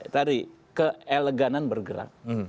tadi keeleganan bergerak